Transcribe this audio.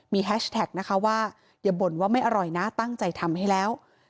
มีแฮชแท็กนะคะว่าอย่าบ่นว่าไม่อร่อยนะตั้งใจทำให้แล้ว